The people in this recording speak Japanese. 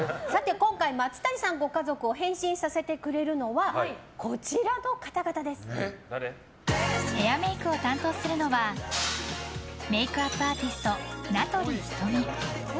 今回、松谷さんご家族を変身させてくれるのはヘアメイクを担当するのはメイクアップアーティスト名取瞳。